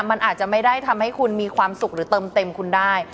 มันอาจจะไม่ได้ทำให้คุณมีความสุขหรือเติมเต็มคุณได้